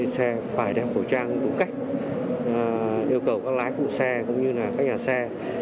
xe phải đeo khẩu trang đủ cách yêu cầu các lái phụ xe cũng như các nhà xe